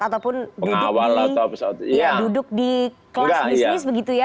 ataupun duduk di kelas bisnis begitu ya